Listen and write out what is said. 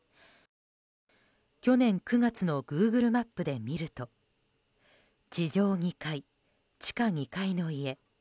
去年９月のグーグルマップで見ると地上２階、地下２階の家。